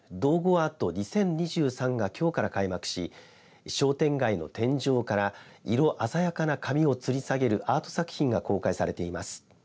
アート２０２３がきょうから開幕し商店街の天井から色鮮やかな紙をつり下げるアート作品が公開されています。